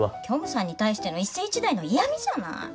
虚無さんに対しての一世一代の嫌みじゃない。